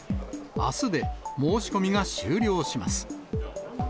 あすで申し込みが終了します。